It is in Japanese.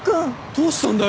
どうしたんだよ？